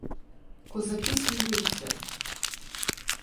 Козаки сміються.